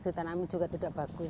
ditanami juga tidak bagus